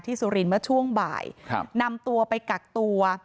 ที่สุรินค์เมื่อช่วงใบนำตัวไปกากตัว